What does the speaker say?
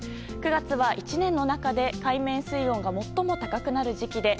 ９月は１年の中で海面水温が最も高くなる時期で